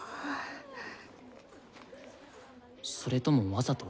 それともわざと？